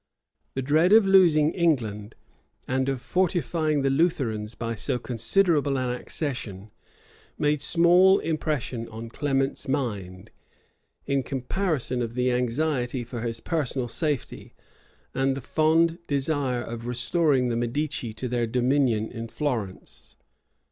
[] The dread of losing England, and of fortifying the Lutherans by so considerable an accession, made small impression on Clement's mind, in comparison of the anxiety for his personal safety, and the fond desire of restoring the Medici to their dominion in Florence.